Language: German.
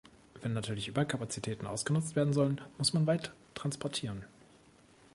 Wenn natürlich Überkapazitäten ausgenutzt werden sollen, muss man weit transportieren.